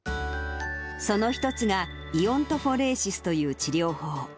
その一つが、イオントフォレーシスという治療法。